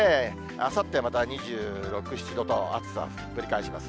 あさってはまた２６、７度と、暑さぶり返します。